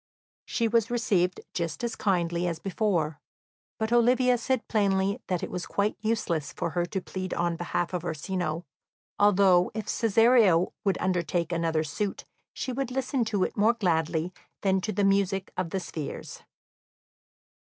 She was received just as kindly as before, but Olivia said plainly that it was quite useless for her to plead on behalf of Orsino, although if Cesario would undertake another suit she would listen to it more gladly than to the music of the spheres.